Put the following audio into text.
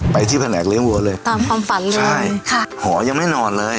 ไปที่แผนกเลี้ยวัวเลยตามความฝันเลยใช่ค่ะหอยังไม่นอนเลย